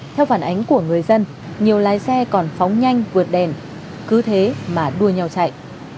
theo phản ánh của người dân nhiều lái xe còn phóng nhanh vượt đèn cứ thế mà đua nhau chạy